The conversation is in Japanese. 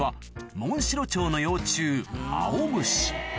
モンシロチョウの幼虫アオムシ